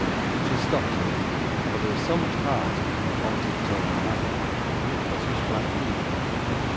She stopped here; for there was so much heart in her altered tone and manner, that Nicholas was quite moved.